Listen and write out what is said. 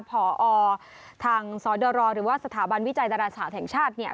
พอทางสอดรหรือว่าสถาบันวิจัยดาราศาสตร์แห่งชาติเนี่ย